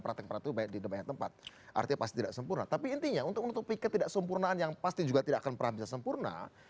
perhatian perhatian banyak di banyak tempat artinya pasti tidak sempurna tapi intinya untuk untuk pikir tidak sempurnaan yang pasti juga tidak akan perhampiran sempurna